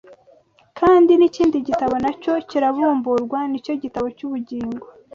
Kandi n’ikindi gitabo na cyo kirabumburwa, nicyo gitabo cy’ubugingo